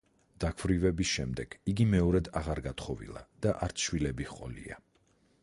დაქვრივების შემდეგ იგი მეორედ აღარ გათხოვილა და არც შვილები ჰყოლია.